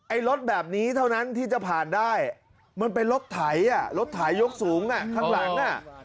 รถแบบนี้เท่านั้นที่จะผ่านได้มันเป็นรถไถอ่ะรถไถยกสูงข้างหลังอ่ะ